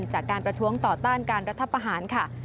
จากการประท้วงต่อต้านการรัฐประหารค่ะ